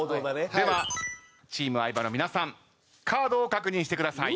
ではチーム相葉の皆さんカードを確認してください。